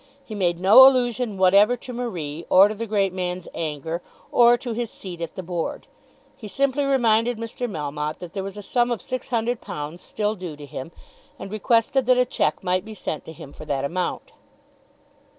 He made no allusion whatever to Marie, or to the great man's anger, or to his seat at the board. He simply reminded Mr. Melmotte that there was a sum of £600 still due to him, and requested that a cheque might be sent to him for that amount.